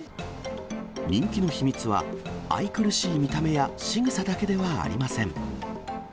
人気の秘密は、愛くるしい見た目やしぐさだけではありません。